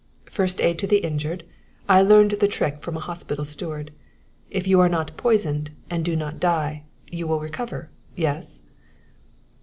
"First aid to the injured; I learned the trick from a hospital steward. If you are not poisoned, and do not die, you will recover yes?"